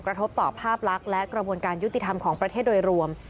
กระทบต่อภาพลักษณ์และกระบวนการยุติธรรมของประเทศโดยรวม